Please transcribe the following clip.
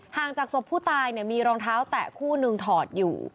ห่างจากศพผู้ตายเนี่ยมีรองเท้าแตะคู่นึงถอดอยู่